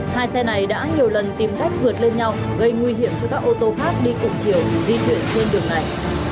hai xe này đã nhiều lần tìm cách vượt lên nhau gây nguy hiểm cho các ô tô khác đi cùng chiều di chuyển trên đường này